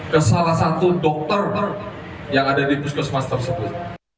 ke salah satu dokter yang ada di puskesmas tersebut